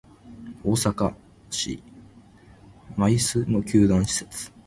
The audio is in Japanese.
大阪市・舞洲の球団施設